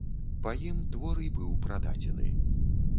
Па ім твор і быў прададзены.